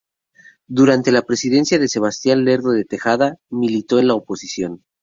Durante la presidencia de Sebastián Lerdo de Tejada militó en la oposición.